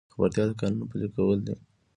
خبرتیا د قانون پلي کول دي